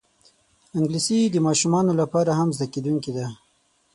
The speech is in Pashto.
انګلیسي د ماشومانو لپاره هم زده کېدونکی ده